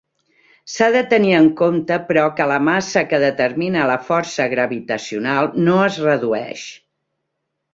S'ha de tenir en compte, però, que la massa que determina la força gravitacional "no" es redueix.